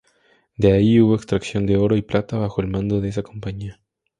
De ahí hubo extracción de oro y plata bajo el mando de esa compañía.